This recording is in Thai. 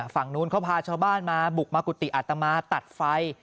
ฝั่งนู้นเขาพาชาวบ้านมาบุกมากุฏิอัตมาตัดไฟ